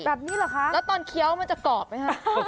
แบบนี้เหรอคะแล้วตอนเคี้ยวมันจะกรอบไหมคะ